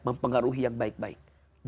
mempengaruhi yang baik baik